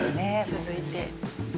続いて。